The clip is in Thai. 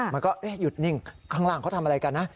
มันก็หยุดนิ่งข้างล่างเขาทำอะไรกันนะ